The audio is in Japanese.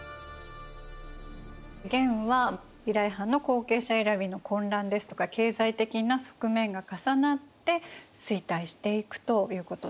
元はフビライ・ハンの後継者選びの混乱ですとか経済的な側面が重なって衰退していくということなんですね。